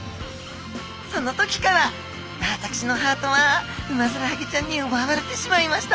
その時から私のハートはウマヅラハギちゃんにうばわれてしまいました。